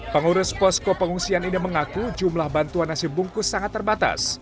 pengurus posko pengungsian ini mengaku jumlah bantuan nasi bungkus sangat terbatas